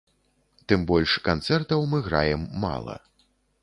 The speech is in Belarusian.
Тым больш, канцэртаў мы граем мала.